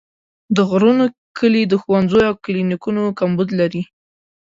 د غرونو کلي د ښوونځیو او کلینیکونو کمبود لري.